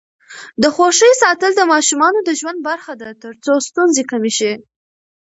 د خوښۍ ساتل د ماشومانو د ژوند برخه ده ترڅو ستونزې کمې شي.